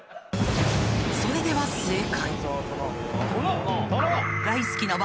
［それでは正解］